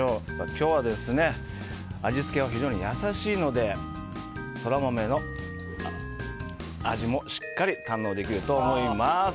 今日、味付けは非常に優しいのでソラマメの味もしっかり堪能できると思います。